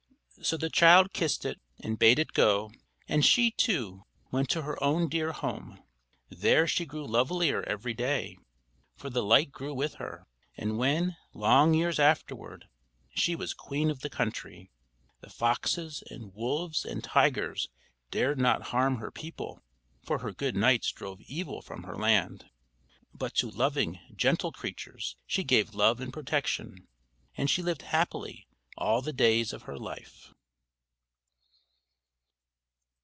So the child kissed it and bade it go; and she, too, went to her own dear home. There she grew lovelier every day, for the light grew with her; and when, long years afterward, she was queen of the country, the foxes and wolves and tigers dared not harm her people, for her good knights drove evil from her land; but to loving gentle creatures she gave love and protection, and she lived happily all the days of her life.